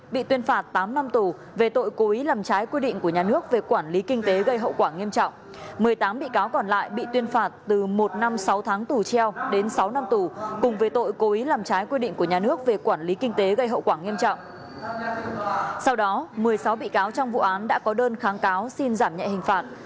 sáu bị cáo trong vụ án đã có đơn kháng cáo xin giảm nhẹ hình phạt